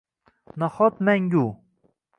Nahot, mangu?